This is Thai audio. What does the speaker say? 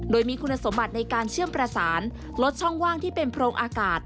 โดยมีคุณสมบัติในการเชื่อมประสานลดช่องว่างที่เป็นโพรงอากาศ